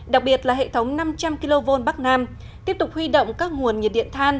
đặc biệt là hệ thống năm trăm linh kv bắc nam tiếp tục huy động các nguồn nhiệt điện than